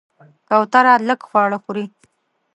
کوتره لږ خواړه خوري.